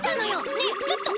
ねえちょっと！